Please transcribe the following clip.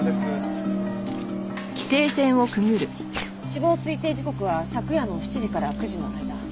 死亡推定時刻は昨夜の７時から９時の間。